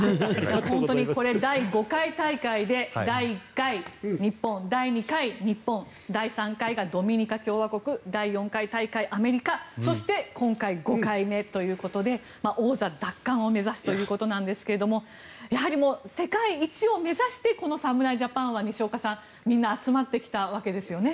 本当にこれ、第５回大会で第１回、日本、第２回、日本第３回がドミニカ共和国第４回大会、アメリカそして今回、５回目ということで王座奪還を目指すということなんですがやはり世界一を目指してこの侍ジャパンは西岡さん、みんな集まってきたわけですよね。